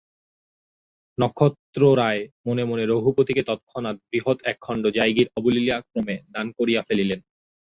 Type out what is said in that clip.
নক্ষত্ররায় মনে মনে রঘুপতিকে তৎক্ষণাৎ বৃহৎ একখণ্ড জায়গির অবলীলাক্রমে দান করিয়া ফেলিলেন।